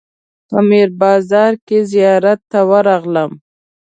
په میر بازار کې زیارت ته ورغلم.